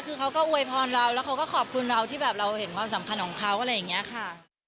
คือเขาก็อวยพรเราแล้วก็ขอบคุณเราที่แบบเราเห็นความสำคัญของเขา